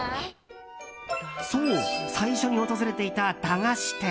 そう、最初に訪れていた駄菓子店。